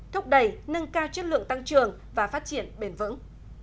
thúc đẩy nâng cao chất lượng tăng trường và phát triển bền vững